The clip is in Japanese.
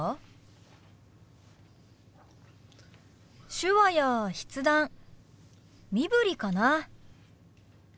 手話や筆談身振りかな。